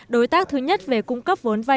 đối tác thứ nhất về cung cấp vốn